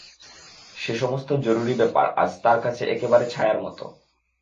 সে-সমস্ত জরুরি ব্যাপার আজ তার কাছে একেবারে ছায়ার মতো।